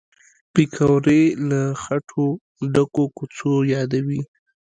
پکورې له خټو ډکو کوڅو یادوي